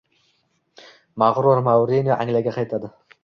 Mag'rur Mourino Angliyaga qaytadi